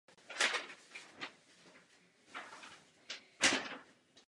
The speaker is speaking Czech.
John Hopkins vyjel v Brně prozatím největší úspěch v kariéře.